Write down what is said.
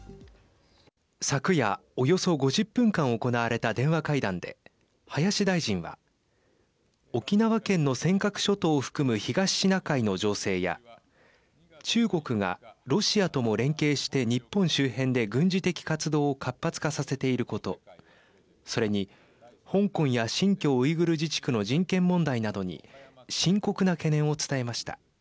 昨夜、およそ５０分間行われた電話会談で林大臣は沖縄県の尖閣諸島を含む東シナ海の情勢や中国がロシアとも連携して日本周辺で軍事的活動を活発化させていることそれに香港や新疆ウイグル自治区の人権問題などに深刻な懸念を伝えました。